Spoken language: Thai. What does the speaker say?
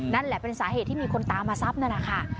นั่นแหละเป็นสาเหตุที่มีคนตามมาทรัพย์นั่นแหละค่ะ